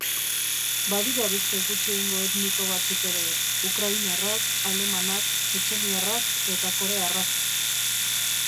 Badira beste gutxiengo etniko batzuk ere: ukrainarrak, alemanak, txetxeniarrak eta korearrak.